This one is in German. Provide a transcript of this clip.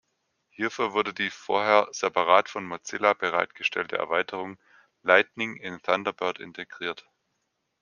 Hierfür wurde die vorher separat von Mozilla bereitgestellte Erweiterung Lightning in Thunderbird integriert.